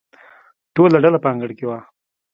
ټوله ډله په انګړ کې وه.